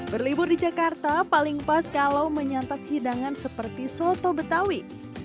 berlibur di jakarta paling pas kalau menyantap hidangan seperti soto betawi